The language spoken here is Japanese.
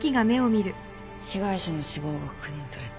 被害者の死亡が確認された